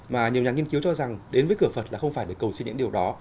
mà nhiều nhà nghiên cứu cho rằng đến với cửa phật là không phải để cầu suy những điều đó